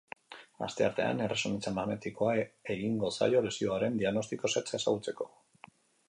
Asteartean erresonantzia magnetikoa egingo zaio lesioaren diagnostiko zehatza ezagutzeko.